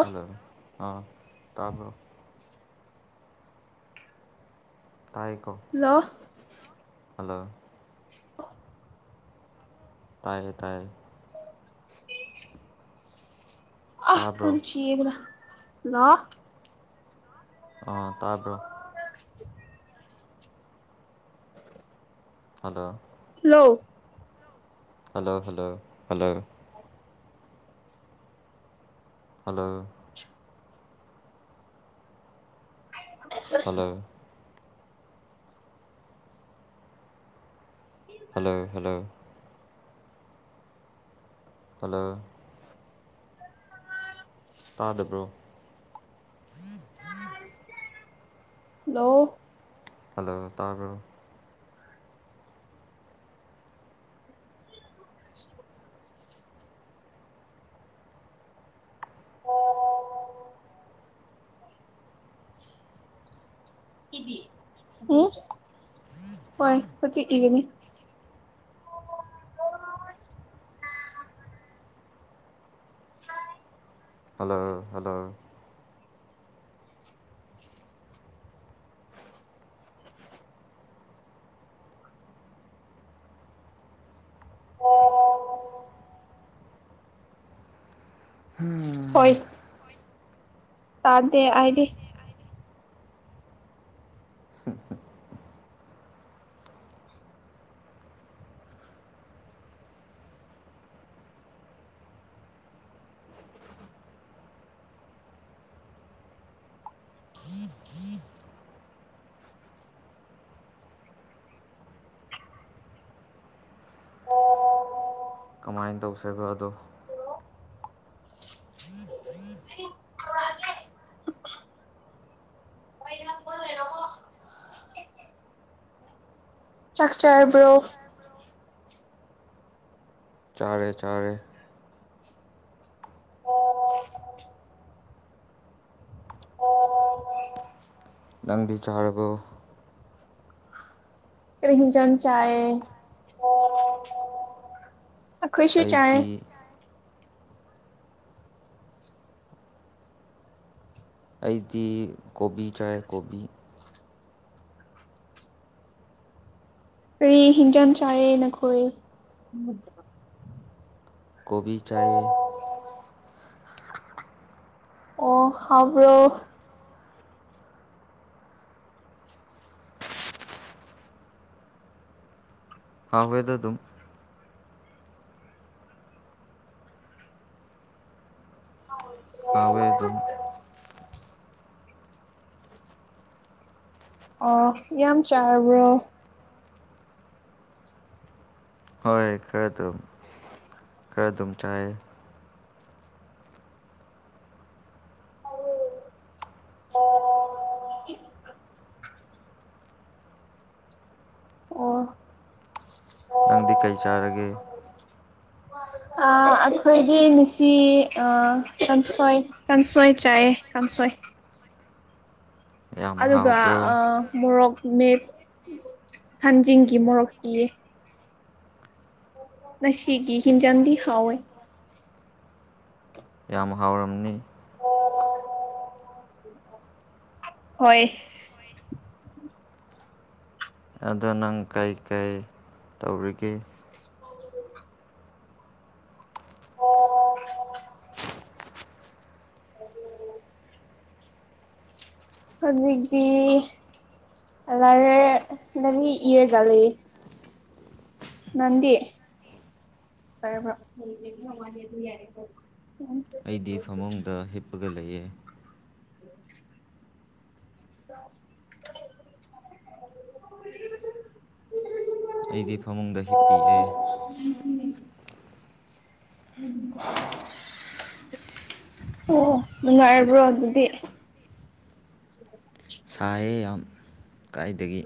hello ꯑ ꯇꯥꯕ꯭ꯔꯣ ꯇꯥꯏꯈꯣ ꯍꯜꯂꯣ ꯍꯜꯂꯣ ꯑ ꯇꯌꯦ ꯇꯥꯏꯌꯦ ꯑ ꯀ ꯇꯥꯕ꯭ꯔꯣ ꯆꯕ ꯂꯥꯛ ꯑꯥ ꯇꯥꯕ꯭ꯔꯣ [inaudible] ꯍꯜꯂꯣ ꯊ ꯍꯜꯂꯣ ꯍꯜꯂꯣ ꯍꯜꯂꯣ ꯍꯜꯂꯣ ꯁꯅ ꯍꯜꯂꯣ ꯍꯜꯂꯣ ꯍꯜꯂꯣ ꯍꯂꯣ ꯎꯝ ꯍꯂꯣ ꯍꯗꯣ ꯇꯥꯕꯣ [inaudible] [inaudible] ꯎꯝ ꯍꯣꯏ ꯍꯣꯏꯖꯤꯤꯗꯅꯤ [inaudible] [inaudible] ꯍꯜꯂꯣ ꯍꯜꯂꯣ ꯑꯣ ꯑ ꯎꯝ ꯇꯥꯔꯗꯦ ꯑꯗꯤ ꯀꯃꯥꯏꯅ ꯇꯧꯁꯕꯣ ꯑꯗꯣ [inaudible] ꯋꯥ ꯂ ꯀ ꯂꯩꯔꯣ ꯆꯥꯛꯆꯔꯕ꯭ꯔꯣ ꯆꯥꯔꯦ ꯆꯥꯔꯦ ꯑꯣ ꯅꯪꯕꯤ ꯆꯥꯔꯕ ꯀꯆꯟ ꯆꯌꯦ ꯑꯈꯣꯏꯁꯨꯨ ꯆꯥꯅꯦꯦ ꯑꯩꯗꯤ ꯑꯩꯗꯤ ꯣꯕꯤ ꯆꯥꯒꯣꯕꯤ ꯀꯔꯤ ꯍꯤꯡꯖꯥꯡ ꯆꯥꯏꯑ ꯅꯈꯣꯏ ꯀꯣꯕꯤꯤ ꯆꯌꯦ ꯑꯣ ꯍꯥꯕ꯭ꯔꯣ ꯑꯋꯗ ꯑꯗꯨꯝ ꯍꯥꯎꯋꯦ ꯑꯗꯨꯝ [unintelligible] ꯑ ꯌꯥꯝ ꯆꯥꯔꯕ꯭ꯔꯣ ꯍꯣꯏ ꯈꯔ ꯇ ꯈꯔ ꯑꯗꯨꯝ ꯆꯥꯏ ꯑ ꯑꯣ ꯑꯣ ꯅꯪꯗꯤ ꯀꯩ ꯆꯥꯔꯒꯦ ꯑꯩꯈꯣꯏꯒꯤ ꯃꯤꯁꯤ ꯄꯁꯣꯏ ꯆꯥꯏꯑ ꯀꯥꯡꯁꯣꯏ ꯌꯥꯝ ꯑꯗꯨꯒ ꯍꯥꯎꯕ꯭ꯔꯣ ꯃꯣꯔꯣꯛ ꯃꯦ ꯊꯥꯟꯖꯤꯡꯒꯤ ꯃꯣꯔꯣꯛꯀꯤꯤ ꯅꯁꯤꯒꯤ ꯍꯤꯡꯟꯖꯟꯗꯤ ꯍꯥꯎꯋꯦ ꯌꯥꯝ ꯍꯥꯎꯔꯝꯅꯤ ꯍꯣꯏ ꯑꯗꯣ ꯅꯪ ꯀꯩꯀꯩ ꯇꯧꯔꯤꯒꯦ [inaudible] ꯍꯗꯒꯤꯗꯤ ꯑꯔ ꯏ ꯂꯦ ꯅꯗꯤꯔ ꯌꯥ ꯑꯩꯗꯤ ꯐꯃꯨꯡꯗ ꯍꯤꯞꯄꯒ ꯂꯩꯌꯦ [unintelligible] [unintelligible] ꯑꯩꯗꯤ ꯐꯃꯨꯡꯗ ꯍꯤꯞꯄꯤꯤꯑꯦ ꯎꯝ ꯑꯣ ꯅꯨꯡꯉꯥꯏꯔꯕ꯭ꯔꯣ ꯑꯗꯨꯗꯤ ꯁꯥꯍꯦ ꯌꯥꯝ ꯀꯥꯏꯗꯒꯤ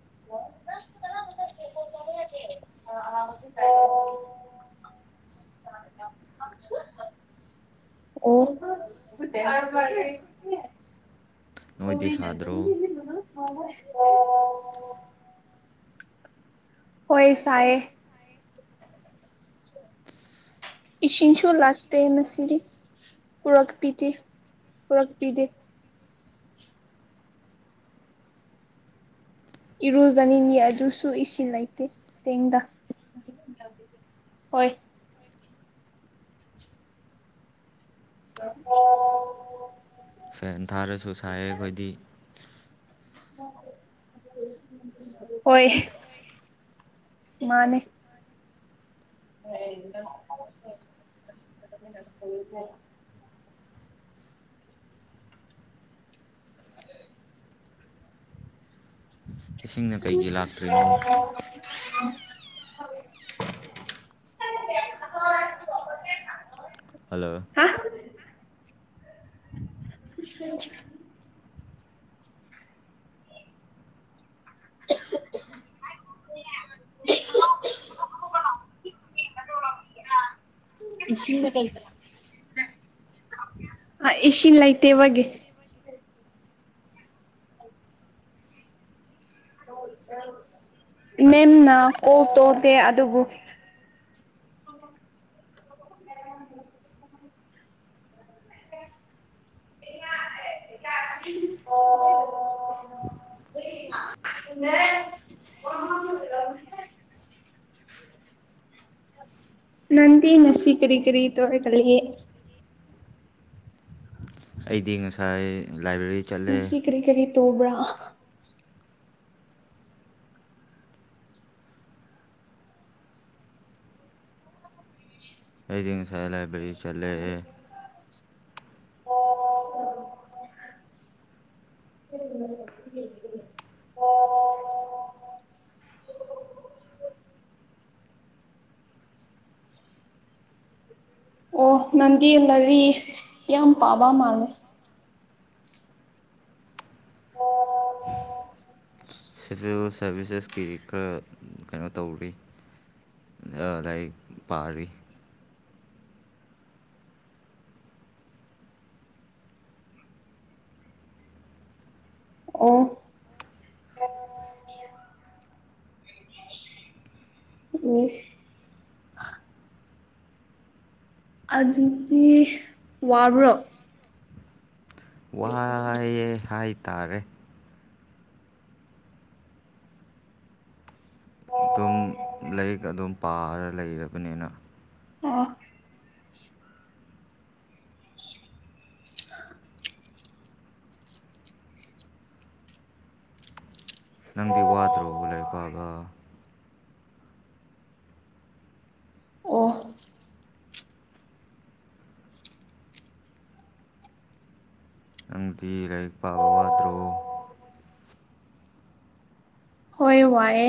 [unintelligible] ꯑ ꯑꯣ ꯅꯣꯏꯗꯤ ꯍꯕꯅꯒꯤꯅ ꯁꯥꯗ꯭ꯔꯣ ꯁꯃ ꯑꯣꯏꯣꯏ ꯁꯥꯏꯦ ꯏꯁꯤꯡꯤꯟ ꯁꯨꯔ ꯂꯥꯛꯇꯅ ꯁꯤꯔꯤ ꯀꯔꯛ ꯄꯤꯗ ꯀꯔꯛ ꯄꯤꯗ ꯏꯔꯨꯖꯅꯤꯅꯤ ꯑꯗꯨꯁꯨ ꯏꯁꯤꯡ ꯂꯩꯇꯦ ꯇꯦꯡꯗ ꯍꯣꯏ ꯑꯣ ꯐꯦꯟ ꯊꯥꯔꯁꯨ ꯁꯥꯏꯌꯦ ꯑꯩꯈꯣꯏꯗꯤ [unintelligible] ꯍꯣꯏ ꯃꯥꯅꯦ [unintelligible] [unintelligible] [inaudible] ꯏꯁꯤꯡꯅ ꯀꯩꯒꯤ ꯂꯥꯛꯇ꯭ꯔꯤꯅꯣ ꯑ [inaudible] ꯍꯦꯁ ꯍꯜꯂꯣ ꯍꯨꯏ ꯑꯩꯗꯤ ꯈꯡꯗꯔꯦ ꯁꯣꯔ-ꯁꯣꯔ-ꯁꯣꯔ ꯑꯍꯥꯝ ꯍ ꯇꯔꯨꯂꯣꯚ ꯄꯤꯉꯦ ꯑꯥ-ꯏꯁꯤꯉ ꯒꯥ ꯀꯩꯒꯅꯣ-ꯍꯨꯉ ꯑ ꯏꯁꯤꯤꯟ ꯂꯥꯏꯇꯦ ꯏꯕꯦ ꯑꯣ ꯃꯦꯝꯅ ꯀꯣꯜ ꯇꯧꯗꯦ ꯑꯗꯨꯕꯨ ꯎ ꯑꯣ ꯁꯨꯔ ꯅꯟꯤ ꯅꯁꯤ ꯀꯔꯤ ꯀꯔꯤ ꯇꯣꯔ ꯀꯦ ꯑꯩꯗꯤ ꯉꯁꯥꯏ ꯂꯥꯏꯕ꯭ꯔꯦꯔꯤ ꯆꯠꯂꯦ ꯇꯣꯕ꯭ꯔꯥ ꯑꯦꯗꯤ ꯉꯁꯥꯏ ꯂꯥꯏꯕ꯭ꯔꯤ ꯑꯩ ꯅꯡꯕꯨ ꯅꯨꯡꯁꯤ ꯍꯥꯏꯕꯥ ꯑꯥ ꯕꯥ ꯍꯥ ꯑ ꯑꯣ ꯅꯟꯗꯤ ꯅꯔꯤ ꯌꯥꯝ ꯄꯥꯕ ꯃꯥꯜꯅꯦ ꯑꯣ ꯑꯣ ꯑꯣ ꯁꯤꯚꯤꯜ ꯁꯥꯔꯚꯤꯁꯁꯦꯁꯀꯤ ꯈꯔ ꯀꯩꯅꯣ ꯇꯧꯔꯤ ꯂꯥꯏꯛ ꯄꯥꯔꯤ ꯑꯣ ꯎꯝ ꯑꯗꯨꯗꯤ ꯋꯥꯕ꯭ꯔꯣ ꯋꯥꯏꯑꯦ ꯍꯥꯏꯇꯥꯔꯦ ꯑꯗꯨꯝ ꯂꯥꯏꯔꯤꯛ ꯑꯗꯨꯝ ꯄꯥꯔ ꯂꯩꯔꯕꯅꯤꯅ ꯑꯣ ꯍꯥ ꯅꯪꯗꯤ ꯋꯥꯗ꯭ꯔꯣ ꯂꯥꯏꯔꯤꯛ ꯄꯥꯕ ꯑꯣ ꯅꯪꯗꯤ ꯂꯥꯏꯔꯤꯛ ꯄꯥꯕ ꯋꯥꯗ꯭ꯔꯣ ꯍꯣꯏ ꯋꯥꯔꯦ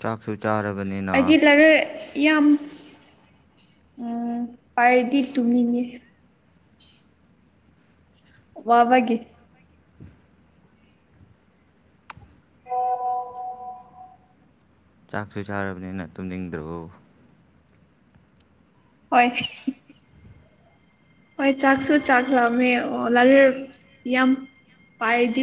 ꯆꯥꯛꯁꯨ ꯆꯥꯔꯕꯅꯤꯅ ꯑꯩꯗꯤ ꯂꯥꯏꯔꯤꯛ ꯌꯥꯝ ꯎ ꯄꯥꯏꯔꯗꯤ ꯇꯨꯝꯅꯤꯡꯉ ꯋꯥꯕꯒꯤ ꯑꯣ ꯆꯥꯛꯁꯨ ꯆꯥꯔꯕꯅꯤꯅ ꯇꯨꯝꯅꯤꯡꯗ꯭ꯔꯣ ꯍꯣꯏ ꯍꯣꯏ ꯆꯥꯛꯁꯨ ꯆꯥꯛ ꯂꯥꯛꯑꯃꯦ ꯂꯥꯂꯨꯔ ꯌꯥꯝ ꯄꯥꯥꯏꯗꯤ